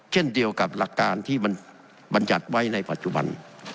เช่นเดียวกับหลักการที่มันบรรยัติไว้ในปัจจุบัน